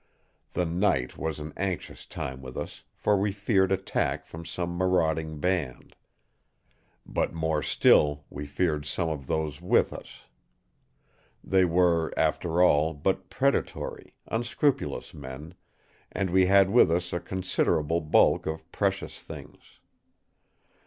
The night was an anxious time with us, for we feared attack from some marauding band. But more still we feared some of those with us. They were, after all, but predatory, unscrupulous men; and we had with us a considerable bulk of precious things.